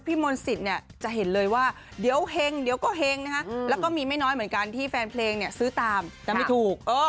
ในวงการบันเทิงเลยนะคะสำหรับพี่มนต์สิตค้ำซ่อย